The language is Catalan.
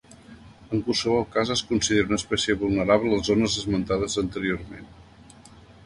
En qualsevol cas es considera una espècie vulnerable a les zones esmentades anteriorment.